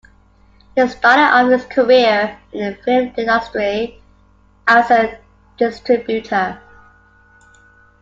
He started off his career in the film industry as a distributor.